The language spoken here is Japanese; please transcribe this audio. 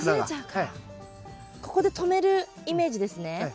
ここで止めるイメージですね？